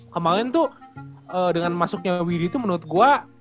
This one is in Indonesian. kemarin tuh dengan masuknya willy itu menurut gue